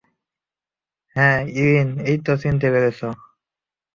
হ্যাঁ, ইরিন, এইতো চিনতে পেরেছ।